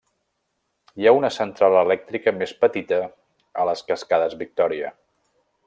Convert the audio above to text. Hi ha una central elèctrica més petita a les cascades Victòria.